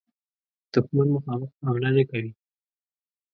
دښمن مخامخ حمله نه کوي.